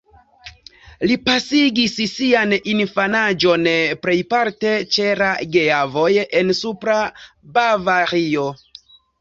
Li pasigis sian infanaĝon plejparte ĉe la geavoj en Supra Bavario.